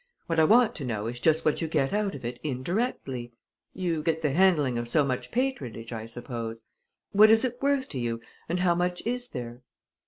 What I want to know is just what you get out of it indirectly? You get the handling of so much patronage, I suppose? What is it worth to you, and how much is there?"